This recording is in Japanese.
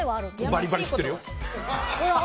バリバリ知ってるよ。